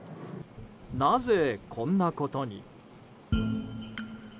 なぜ、こんなことに？